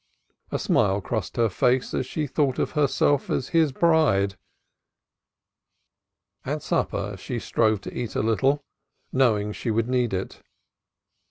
A smile crossed her face as she thought of herself as his bride. At supper she strove to eat a little, knowing she would need it.